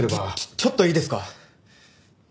ちょっといいですか？